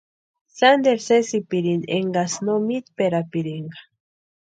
Sánteru sésipirinti eskaksï no mítperapirinka.